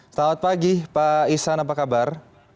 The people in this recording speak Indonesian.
selamat pagi pak ihsan apa kabar